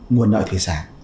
nguồn nội thủy sản